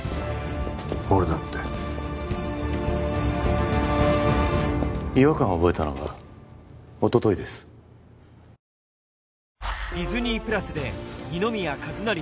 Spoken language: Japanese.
俺だって違和感を覚えたのはおとといですあ！